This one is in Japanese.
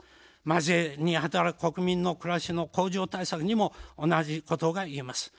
まじめに働く国民のくらしの向上対策にも同じことが言えます。